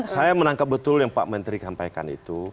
saya menangkap betul yang pak menteri sampaikan itu